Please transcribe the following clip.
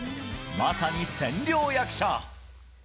まさに千両役者。